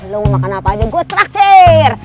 lo mau makan apa aja gue terakhir